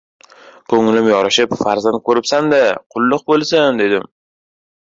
Ko‘nglim yorishib, farzand ko‘ribsan-da, qulluq bo‘lsin, dedim.